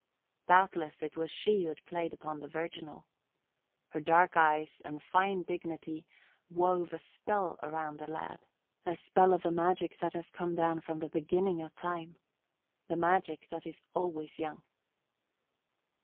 Doubtless it was she who had played upon the virginal. Her dark eyes and fine dignity wove a spell around the lad a spell of the magic that has come down from the beginning of time the magic that is always young.